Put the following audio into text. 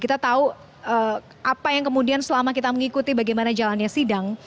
kita tahu apa yang kemudian selama kita mengikuti bagaimana jalannya sidang